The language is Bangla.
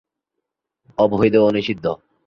অবৈধ ও নিষিদ্ধ।